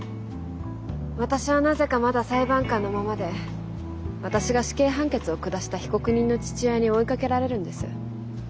私はなぜかまだ裁判官のままで私が死刑判決を下した被告人の父親に追いかけられるんです。